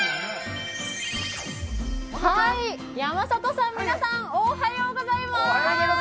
山里さん、皆さんおはようございます。